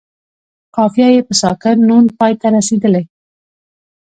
قافیه یې په ساکن نون پای ته رسیدلې.